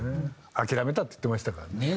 「諦めた」って言ってましたからね。